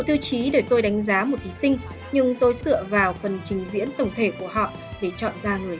tiêu chí để tôi đánh giá một thí sinh nhưng tôi sợ vào phần trình diễn tổng thể của họ để chọn ra người